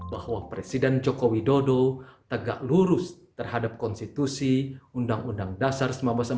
bahwa presiden joko widodo tegak lurus terhadap konstitusi undang undang dasar seribu sembilan ratus empat puluh lima